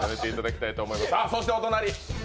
そしてお隣。